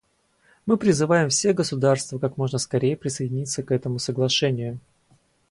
Мы призываем все государства как можно скорее присоединиться к этому Соглашению.